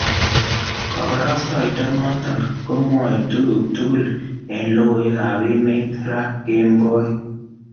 Kabarashainde noton komwoe tuku tugul en lokoiwek ab emet raa kemboi.